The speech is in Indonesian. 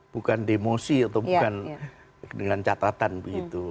bukan demosi atau bukan dengan catatan begitu